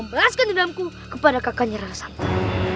mengaskan dendamku kepada kakaknya rara samta